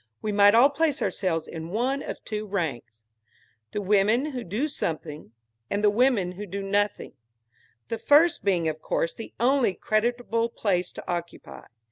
We might all place ourselves in one of two ranks the women who do something and the women who do nothing; the first being of course the only creditable place to occupy.